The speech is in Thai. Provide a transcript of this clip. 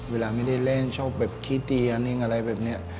เวลาไม่ได้เล่นชอบแบบคิดดีอันนี้อะไรแบบนี้